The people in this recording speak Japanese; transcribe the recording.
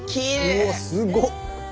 うわっすごっ！